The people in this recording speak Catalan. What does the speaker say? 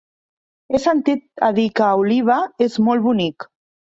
He sentit a dir que Oliva és molt bonic.